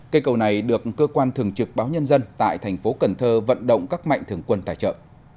cây cầu này được cơ quan thường trực báo nhân dân tại thành phố cần thơ vận động các mạnh thường quân tài trợ